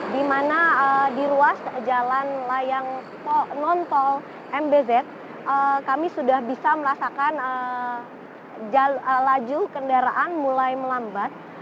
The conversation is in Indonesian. dimana di ruas jalan layang non tol mbz kami sudah bisa merasakan laju kendaraan mulai melambat